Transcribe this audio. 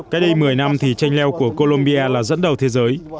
cách đây một mươi năm thì chanh leo của colombia là dẫn đầu thế giới